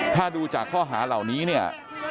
ถ้าดูจากข้อหาเหล่านี้เนี่ย